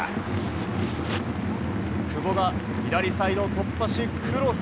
久保が左サイド突破しクロス。